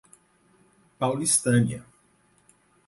Paulistânia